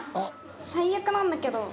・最悪なんだけど。